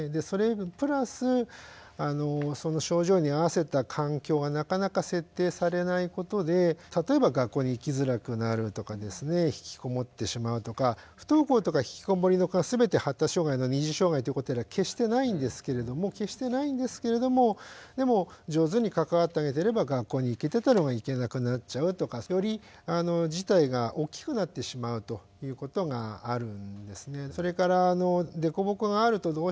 それプラスその症状に合わせた環境がなかなか設定されないことで例えば学校に行きづらくなるとかですね引きこもってしまうとか不登校とか引きこもりの子は全て発達障害の二次障害ということでは決してないんですけれども決してないんですけれどもでも上手に関わってあげてれば学校に行けてたのが行けなくなっちゃうとかより事態が大きくなってしまうということがあるんですね。